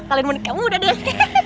kalian mendingan kamu udah dong